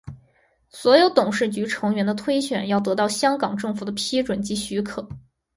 所有董事局成员的推选要得到香港政府的批准及许可。